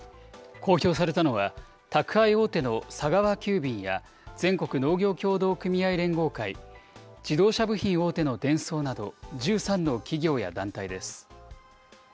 公表されたのは、宅配大手の佐川急便や、全国農業協同組合連合会、自動車部品大手のデンソーなど、１３の企業や団体です。